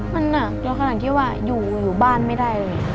มันน่ะเราขนาดที่ว่าอยู่อยู่บ้านไม่ได้เลย